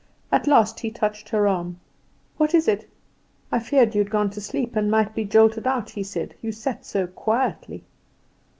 At last he touched her arm. "What is it?" "I feared you had gone to sleep and might be jolted out," he said; "you sat so quietly."